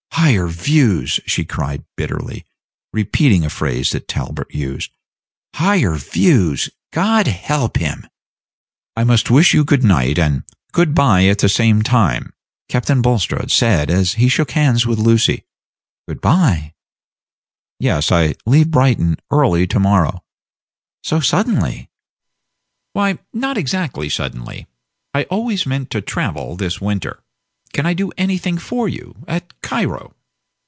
"Higher views!" she cried bitterly, repeating a phrase that Talbot used "higher views! God help him!" "I must wish you good night and good by at the same time," Captain Bulstrode said as he shook hands with Lucy. "Good by?" "Yes; I leave Brighton early to morrow." "So suddenly?" "Why not exactly suddenly. I always meant to travel this winter. Can I do anything for you at Cairo?"